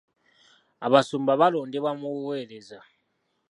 Abasumba balondebwa mu buweereza.